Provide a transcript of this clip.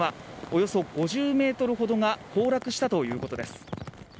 およそ５０ｍほどが崩落したということです。